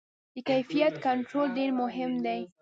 د کیفیت کنټرول ډېر مهم دی.